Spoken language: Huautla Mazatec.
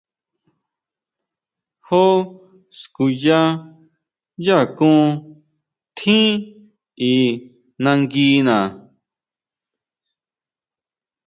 Jó skuya yá akón tjín i nanguina.